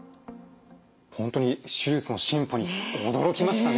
本当に手術の進歩に驚きましたね。